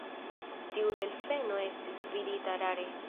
Tiu delfeno estis vidita rare.